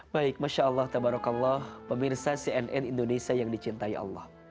baik masya allah ta barok allah pemirsa cnn indonesia yang dicintai allah